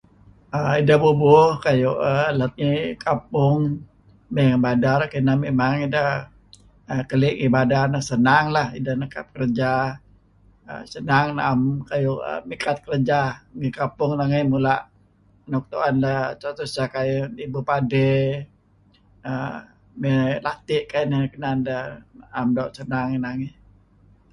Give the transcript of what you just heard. uhm Ideh bubuh kayu' lat ngi kampong may ngi banar kineh mimang ideh keli' iih bandar senang lah ideh nekap kerja senang naem kayu' mikat kerja. Ngi kampong nangey mula' nuk tuen deh tuseh kayu' nibu padi uhm may lati' kineh nuk inan deh naem doo' senang ngi nangey.